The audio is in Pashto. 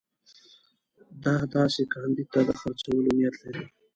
ده داسې کاندید ته د خرڅولو نیت لري.